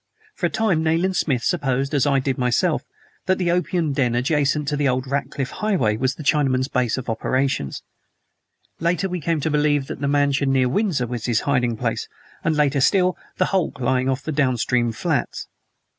For a time Nayland Smith supposed, as I did myself, that the opium den adjacent to the old Ratcliff Highway was the Chinaman's base of operations; later we came to believe that the mansion near Windsor was his hiding place, and later still, the hulk lying off the downstream flats.